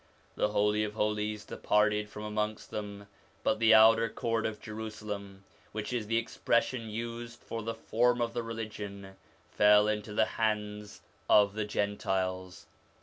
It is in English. The Holy of Holies departed from amongst them ; but the outer court of Jerusalem which is the expression used for the form of the religion fell into the hands of the Gentiles.